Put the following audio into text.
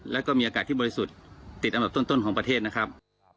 แล้วก็มีอากาศที่บริสุทธิ์ติดอันดับต้นของประเทศนะครับ